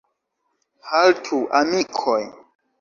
Haltu, amikoj!